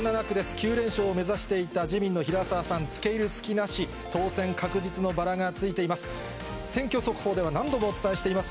９連勝を目指していた自民の平沢さん、つけ入る隙なし、当選確実のバラがついています。